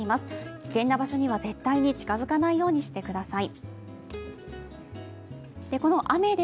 危険な場所には絶対に近付かないようにしてください。